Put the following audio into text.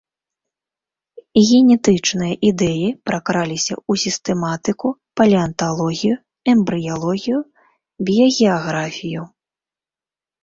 Генетычныя ідэі пракраліся ў сістэматыку, палеанталогію, эмбрыялогію, біягеаграфію.